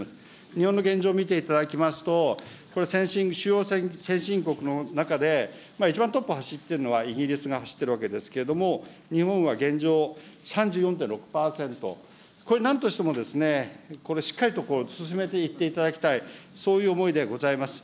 日本の現状を見ていただきますと、これ、先進、主要先進国の中で、一番トップを走っているのはイギリスが走ってるわけですけれども、日本は現状、３４．６％、これ、なんとしてもこれ、しっかりと進めていっていただきたい、そういう思いでございます。